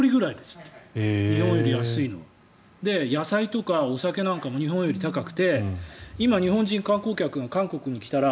野菜とかお酒も日本より高くて今、日本人観光客が韓国に来たら